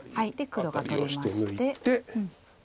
黒が取りまして。